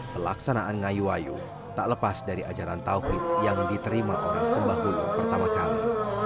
pelaksanaan ngayu ayu tak lepas dari ajaran tawhid yang diterima orang sembahulu pertama kali